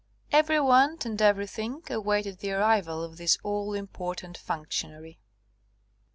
Every one and everything awaited the arrival of this all important functionary.